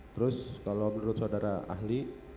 terus kalau menurut saudara ahli